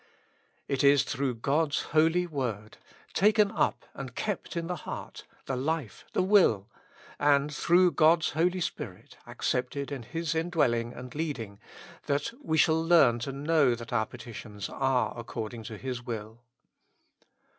^ It is through God's holy word, taken up and kept in the heart, the life, the will ; and through God's Holy Spirit, accepted in His indwelling and leading, that we shall learn to know that our petitions are according to His will.